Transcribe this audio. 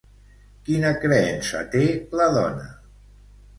Quina creença té la dona?